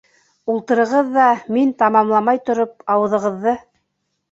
—Ултырығыҙ ҙа, мин тамамламай тороп, ауыҙығыҙҙы